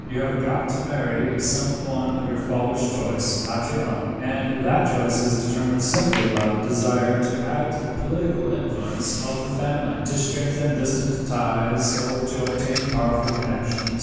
You have got to marry some one of your father's choice, not your own, and that choice is determined simply by the desire to add to the political influence of the family, to strengthen distant ties, or to obtain powerful connections.